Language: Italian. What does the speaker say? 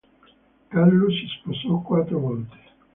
Carlo si sposò quattro volte.